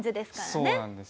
そうなんです。